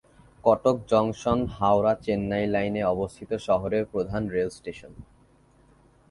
Cuttack junction Howrah Chennai লাইনে অবস্থিত শহরের প্রধান রেল স্টেশন।